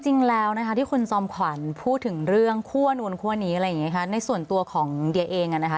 จริงแล้วนะคะที่คุณจอมขวัญพูดถึงเรื่องคั่วนู้นคั่วนี้อะไรอย่างนี้ค่ะในส่วนตัวของเดียเองอ่ะนะคะ